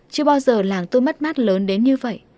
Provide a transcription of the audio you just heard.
chưa bao giờ làng tôi mất mát lớn đến như vậy